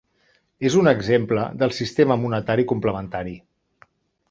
És un exemple del sistema monetari complementari.